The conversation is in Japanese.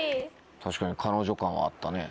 確かに彼女感はあったね。